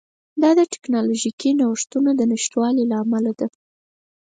دا د ټکنالوژیکي نوښتونو د نشتوالي له امله ده